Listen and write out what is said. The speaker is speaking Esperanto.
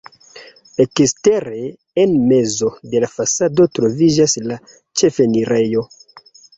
Ekstere en mezo de la fasado troviĝas la ĉefenirejo.